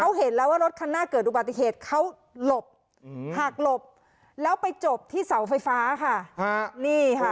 เขาเห็นแล้วว่ารถคันหน้าเกิดอุบัติเหตุเขาหลบหักหลบแล้วไปจบที่เสาไฟฟ้าค่ะนี่ค่ะ